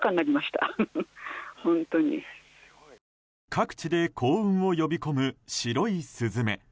各地で幸運を呼び込む白いスズメ。